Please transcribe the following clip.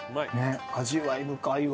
味わい深いわ。